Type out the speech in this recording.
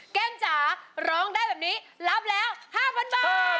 แก้มจ๋าร้องได้แบบนี้รับแล้ว๕๐๐๐บาท